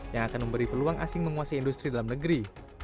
yang akan memberi peluang asing menguasai industri dalam negeri